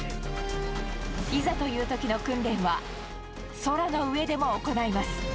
いざというときの訓練は、空の上でも行います。